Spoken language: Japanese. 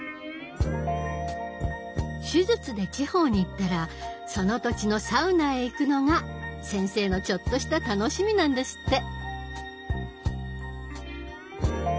手術で地方に行ったらその土地のサウナへ行くのが先生のちょっとした楽しみなんですって。